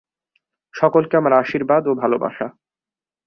সকলকে আমার আশীর্বাদ ও ভালবাসা।